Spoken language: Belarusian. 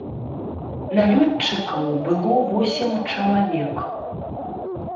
Налётчыкаў было восем чалавек.